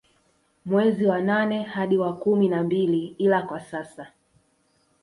Mwezi wa nane hadi wa kumi na mbili ila kwa sasa